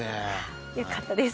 よかったです。